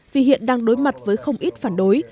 vì hiện đang đối mặt với không ít phản đối